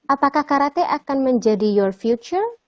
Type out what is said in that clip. apakah karate akan menjadi your future